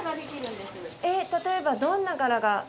例えばどんな柄が？